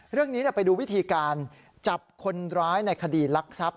เรื่องนี้ไปดูวิธีการจับคนร้ายในคดีลักทรัพย